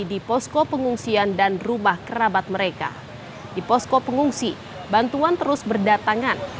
di posko pengungsian dan rumah kerabat mereka di posko pengungsi bantuan terus berdatangan